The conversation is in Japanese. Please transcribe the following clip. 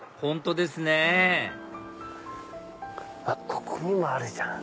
ここにもあるじゃん。